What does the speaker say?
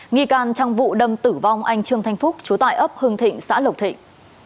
nghi can trong vụ đâm tử vong anh trương thanh phúc chú tại ấp hưng thịnh xã lộc thịnh